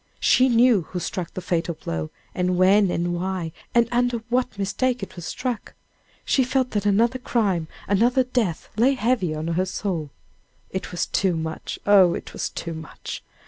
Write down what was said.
She knew who struck the fatal blow, and when and why, and under what mistake it was struck! She felt that another crime, another death lay heavy on her soul! It was too much! oh! it was too much!